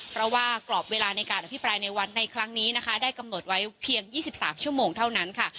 เพราะว่ากรอบเวลาในการอภิปรายในวันในครั้งนี้นะคะได้กำหนดไว้เพียง๒๓ชั่วโมงเท่านั้นค่ะ